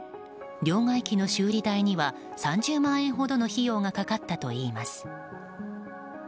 両替機の修理代には３０万円以上の費用がかかったといいます。